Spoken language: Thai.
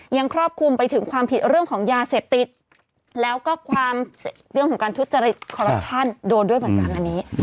ครอบคลุมไปถึงความผิดเรื่องของยาเสพติดแล้วก็ความเรื่องของการทุจริตคอรัปชั่นโดนด้วยเหมือนกันอันนี้